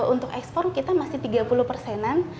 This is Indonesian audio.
untuk ekspor kita masih tiga puluh persenan